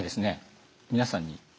皆さんに。